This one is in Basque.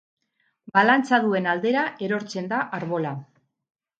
Balantza duen aldera erortzen da arbola.